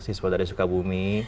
si sepuluh dari sukabumi